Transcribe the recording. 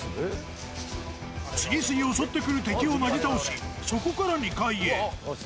次々襲ってくる敵をなぎ倒し、そこから２階へ。